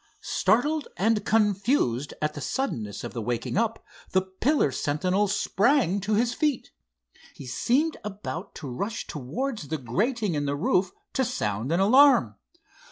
Startled and confused at the suddenness of the waking up, the pillar sentinel sprang to his feet. He seemed about to rush towards the grating in the roof to sound an alarm.